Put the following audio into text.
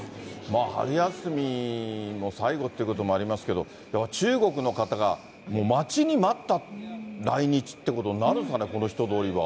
春休みの最後ということもありますけど、中国の方が待ちに待った来日ってことになるんですかね、この人通りは。